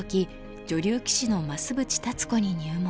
女流棋士の増淵辰子に入門。